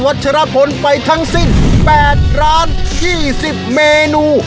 วัชฌพนธ์ไปทั้งสิ้น๘ร้าน๒๐เมนู